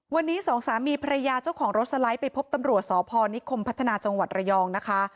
วันนี้สองสามีภรรยาเจ้าของรถสไลด์ไปพบตำรวจสพนิคมพัฒนาจังหวัดระยองนะคะ